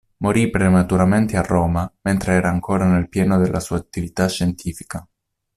Morì prematuramente a Roma, mentre era ancora nel pieno della sua attività scientifica.